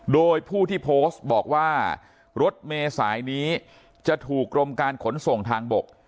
โดยผู้ที่โพสต์บอกว่ารถเมษายนี้จะถูกกรมการขนส่งทางบก